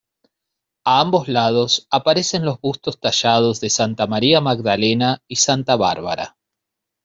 A ambos lados aparecen los bustos tallados de Santa María Magdalena y Santa Bárbara.